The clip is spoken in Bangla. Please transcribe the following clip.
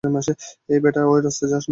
এ বেটা, ওই রাস্তায় যাস না।